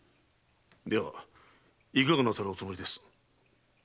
ではいかがなさるおつもりです？